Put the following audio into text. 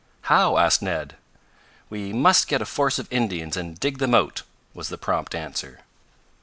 "How?" asked Ned. "We must get a force of Indians and dig them out," was the prompt answer.